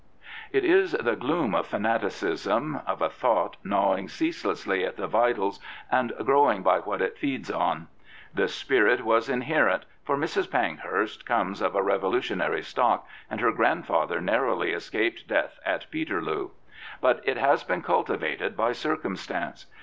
It is the gloom of fanaticism, of a thought gnawing ceaselessly at the vitals, and growing by what it feeds on. The spirit was inherent, for Mrs. Pankhurst comes of a revolutionary stock, and her grandfather narrowly escaped death at Peterloo. But it has been cultivated by circumstance.